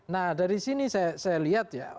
nah dari sini saya lihat ya